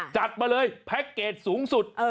จัดมาเลยแพ็คเกจสูงสุด